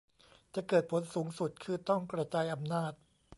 จะเกิดผลสูงสุดคือต้องกระจายอำนาจ